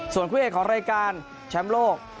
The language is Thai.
ส่วนคู่เอกของรายการแชมป์โลก